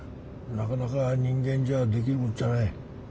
なかなか人間じゃできることじゃない。